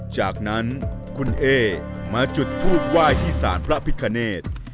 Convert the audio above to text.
จากนั้นคุณเอ๊มาจุดทูบไหว้ที่สารพระพิคเนธ